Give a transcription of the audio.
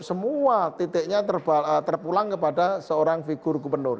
semua titiknya terpulang kepada seorang figur gubernur